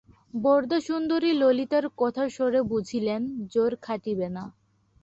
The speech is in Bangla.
বরদাসুন্দরী ললিতার কথার স্বরে বুঝিলেন, জোর খাটিবে না।